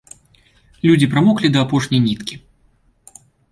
Людзі прамоклі да апошняй ніткі.